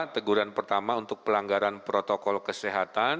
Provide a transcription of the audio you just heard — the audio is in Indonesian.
teguran pertama untuk pelanggaran protokol kesehatan